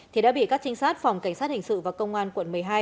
thì đã bị các trinh sát phòng cảnh sát hình sự và công an quận một mươi hai